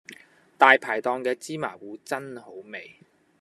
大排檔嘅芝麻糊真好味